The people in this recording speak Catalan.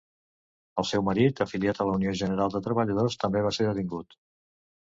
El seu marit, afiliat a la Unió General de Treballadors, també va ser detingut.